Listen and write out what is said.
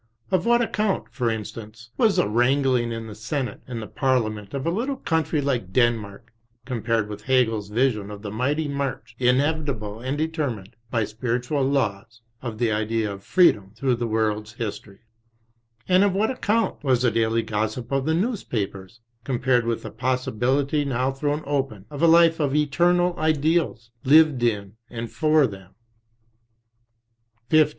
Of what account, for instance, was the wrangling in the Senate and the Parliament of a little country like Den mark compared with HegePs vision of the mighty march, inevitable and determined by spiritual laws, of the idea of TRANSITIONAL YEARS toi Freedom, through the world's History I And of what ac count was the daily gossip of the newspapers, compared with the possibility now thrown open of a life of eternal ideals, lived in and for them I XV.